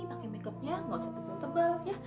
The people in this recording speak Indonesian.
pakai makeupnya nggak usah tebal tebal ya